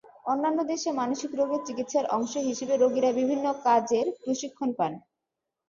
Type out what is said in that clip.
অন্যান্য দেশে মানসিক রোগের চিকিৎসার অংশ হিসেবে রোগীরা বিভিন্ন কাজের প্রশিক্ষণ পান।